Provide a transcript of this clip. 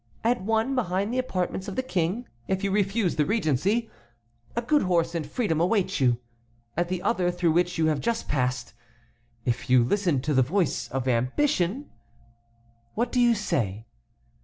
At one, behind the apartments of the King, if you refuse the regency, a good horse and freedom await you. At the other, through which you have just passed, if you listen to the voice of ambition—What do you say?"